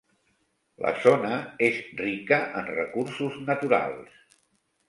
La zona és rica en recursos naturals.